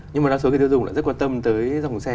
nhưng mà đa số người tiêu dùng lại rất quan tâm tới dòng xe